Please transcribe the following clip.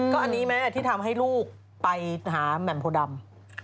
ก็อันนี้ไหมที่ทำให้ลูกไปหาแหม่มโพดำ